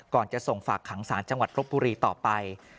จะส่งฝากขังสารจังหวัดรบบุรีต่อไป